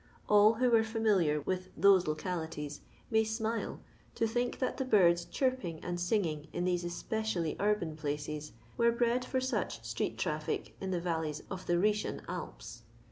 All who are fiimiliar with those localities may smile to think that the birds chirp ing and singing in these especially urban places, were bred for such street traffic in the valleys of the Khsetian Alps